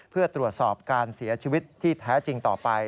เพื่อตรวจสอบการเสียชีวิตที่แท้จริงต่อไป